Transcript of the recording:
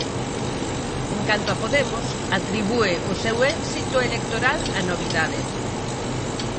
En canto a Podemos, atribúe o seu éxito electoral á "novidade".